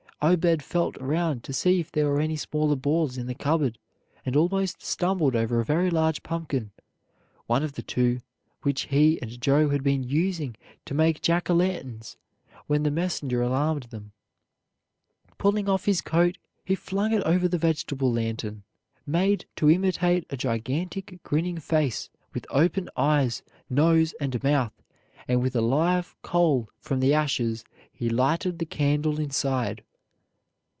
Obed felt around to see if there were any smaller balls in the cupboard, and almost stumbled over a very large pumpkin, one of the two which he and Joe had been using to make Jack o' lanterns when the messenger alarmed them. Pulling off his coat, he flung it over the vegetable lantern, made to imitate a gigantic grinning face, with open eyes, nose, and mouth, and with a live coal from the ashes he lighted the candle inside.